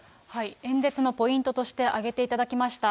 演説のポイントとして挙げていただきました。